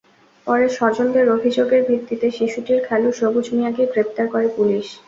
পরে স্বজনদের অভিযোগের ভিত্তিতে শিশুটির খালু সবুজ মিয়াকে গ্রেপ্তার করে পুলিশ।